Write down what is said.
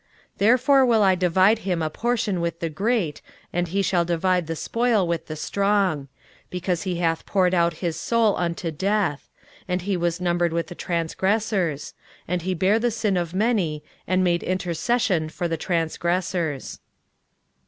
23:053:012 Therefore will I divide him a portion with the great, and he shall divide the spoil with the strong; because he hath poured out his soul unto death: and he was numbered with the transgressors; and he bare the sin of many, and made intercession for the transgressors.